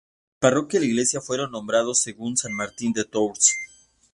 La parroquia y la iglesia fueron nombrados según San Martín de Tours.